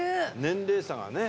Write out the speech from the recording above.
年齢差がね。